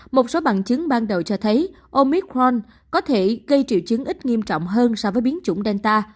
một số bằng chứng ban đầu cho thấy omic ron có thể gây triệu chứng ít nghiêm trọng hơn so với biến chủng delta